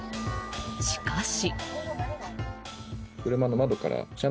しかし。